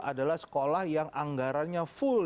adalah sekolah yang anggarannya full